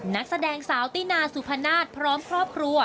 นักแสดงสาวตินาสุพนาศพร้อมครอบครัว